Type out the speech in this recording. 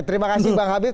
terima kasih bang habib